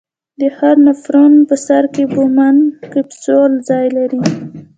د هر نفرون په سر کې بومن کپسول ځای لري.